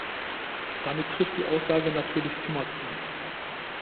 Damit trifft die Aussage natürlich immer zu.